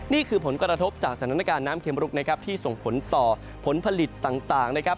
นี่คือผลกระทบจากสถานการณ์น้ำเข็มรุกนะครับที่ส่งผลต่อผลผลิตต่างนะครับ